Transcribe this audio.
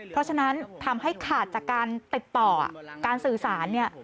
เพราะฉะนั้นทำให้ขาดจากการติดต่อการสื่อสารเนี่ย